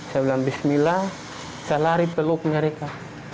saya bilang bismillah saya lari peluk mereka